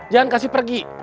jangan kasih pergi